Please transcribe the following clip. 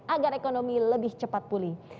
agar ekonomi lebih cepat pulih